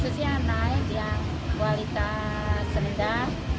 sosial naik yang kualitas rendah